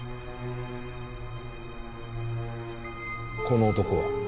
この男は？